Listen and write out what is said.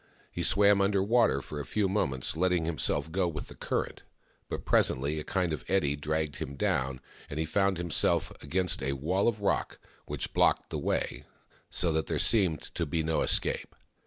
He swam under water for a few moments, letting himself go with the current. But presently a kind of eddy dragged him down, and he found himself against a wall of rock, which blocked the way, so that there seemed to be no escape.